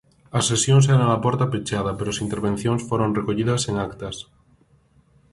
As sesións eran a porta pechada, pero as intervencións foron recollidas en actas.